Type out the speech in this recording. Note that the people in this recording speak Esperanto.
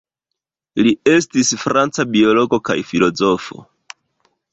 Li estis franca biologo kaj filozofo.